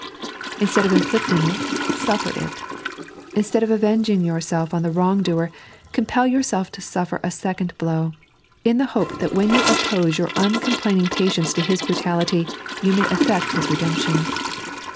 Instead of inflicting it, sufier it. Instead of avenging yourself on the wrong doer, compel yourself to suffer a second blow, in the hope that when you <^poee your uncomplaining patience to his brutality you may effect his redemption.